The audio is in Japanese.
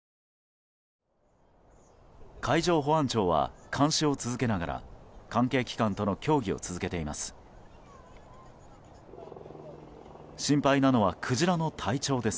海上保安庁は監視を続けながら関係機関との協議を続けています。